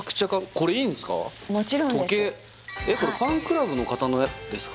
これファンクラブの方のですか？